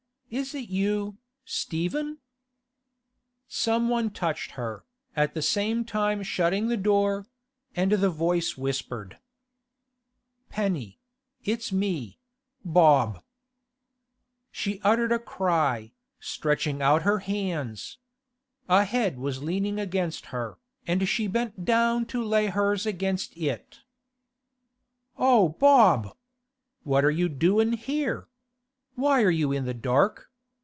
Is it you, Stephen?' Some one touched her, at the same time shutting the door; and the voice whispered: 'Penny—it's me—Bob.' She uttered a cry, stretching out her hands. A head was leaning against her, and she bent down to lay hers against it. 'O Bob! What are you doin' here? Why are you in the dark?